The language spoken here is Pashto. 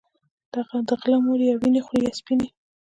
د غله مور يا وينې خورې يا سپينې